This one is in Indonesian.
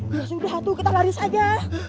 ya sudah tuh kita lari saja